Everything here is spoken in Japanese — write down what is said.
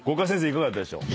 いかがだったでしょう？